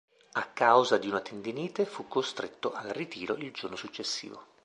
A causa di una tendinite fu costretto al ritiro il giorno successivo.